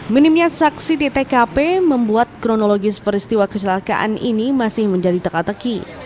minimnya saksi di tkp membuat kronologis peristiwa kecelakaan ini masih menjadi teka teki